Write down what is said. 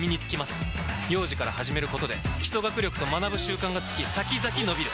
幼児から始めることで基礎学力と学ぶ習慣がつき先々のびる！